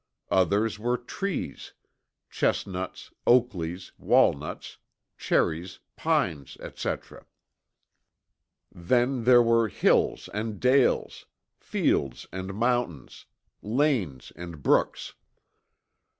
Others were trees Chestnuts, Oakleys, Walnuts, Cherrys, Pines, etc. Then there were Hills and Dales; Fields and Mountains; Lanes and Brooks.